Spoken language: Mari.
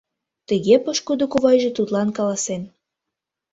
Тыге пошкудо кувайже тудлан каласен.